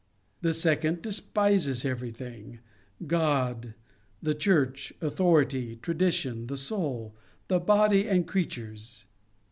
The second despises everything; God, the Church, authority, tradition, the soul, the body, and creatures.